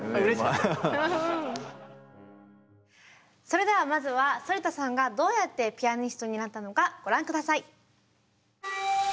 それではまずは反田さんがどうやってピアニストになったのかご覧下さい。